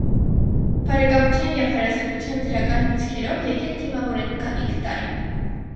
Բարեկամության և հարազատության դրական լիցքերով եկեք դիմավորենք գալիք տարին։